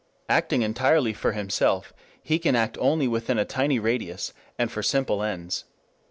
Acting entirely for himself, he can act only within a tiny radius and for simple ends.